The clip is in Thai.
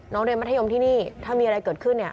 น้องเรียนมัธยมที่นี่ถ้ามีอะไรเกิดขึ้น